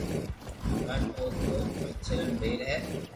ون اُو تو بدچلن ٻئير ھي